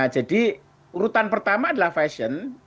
jadi urutan pertama adalah fashion